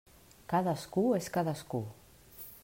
Cadascú és cadascú.